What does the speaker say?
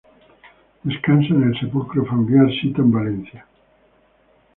Descansa en el sepulcro familiar sito en Valencia.